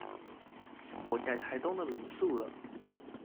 我在台東的民宿了